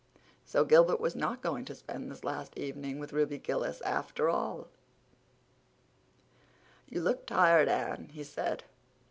So Gilbert was not going to spend this last evening with Ruby Gillis after all! "You look tired, Anne," he said.